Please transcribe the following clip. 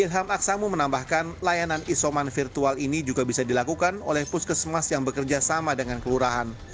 ilham aksamu menambahkan layanan isoman virtual ini juga bisa dilakukan oleh puskesmas yang bekerja sama dengan kelurahan